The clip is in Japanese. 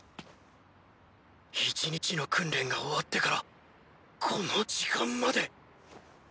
１日の訓練が終わってからこの時間まで！！